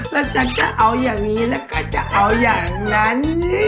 แล้วฉันจะเอาอย่างนี้แล้วก็จะเอาอย่างนั้น